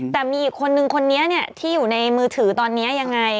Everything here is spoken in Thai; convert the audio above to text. แต่มีอีกคนนึงคนนี้ที่อยู่ในมือถือตอนนี้ยังไง